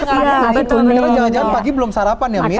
karena jalan jalan pagi belum sarapan ya mith